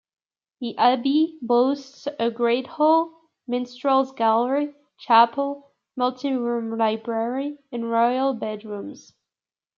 The abbey boasts a great hall, minstrels' gallery, chapel, multi-room library, and royal bedrooms.